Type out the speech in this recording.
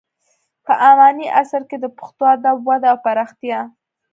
په اماني عصر کې د پښتو ادب وده او پراختیا: